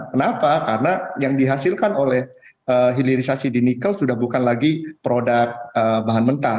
kenapa karena yang dihasilkan oleh hilirisasi di nikel sudah bukan lagi produk bahan mentah